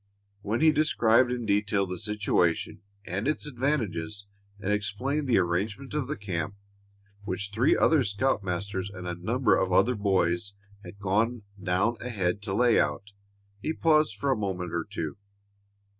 When he had described in detail the situation and its advantages and explained the arrangement of the camp which three other scoutmasters and a number of the other boys had gone down ahead to lay out, he paused for a moment or two.